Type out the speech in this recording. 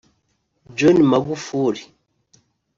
John Magufuli